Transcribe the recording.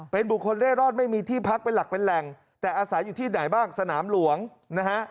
เป็นบุคคลเรียกรอดไม่มีที่พักและหลักแต่อาศัยอยู่ที่ไหนบ้างสนามหลวงนะฮะ